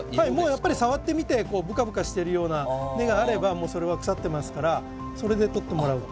やっぱり触ってみてブカブカしてるような根があればそれは腐ってますからそれで取ってもらえば。